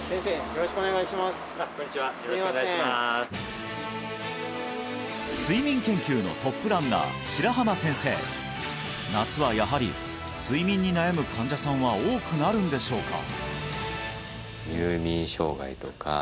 よろしく睡眠研究のトップランナー白濱先生夏はやはり睡眠に悩む患者さんは多くなるんでしょうか？